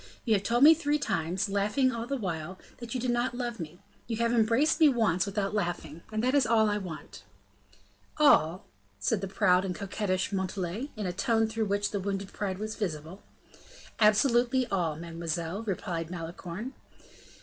"You have told me three times, laughing all the while, that you did not love me; you have embraced me once without laughing, and that is all I want." "All?" said the proud and coquettish Montalais, in a tone through which the wounded pride was visible. "Absolutely all, mademoiselle," replied Malicorne.